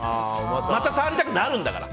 また触りたくなるんだから。